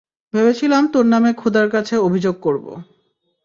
ভেবেছিলাম তোর নামে খোদা কাছে অভিযোগ করব।